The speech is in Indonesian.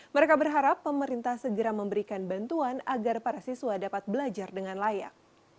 mereka berharap pemerintah segera memberikan bantuan agar para siswa dapat belajar dengan layak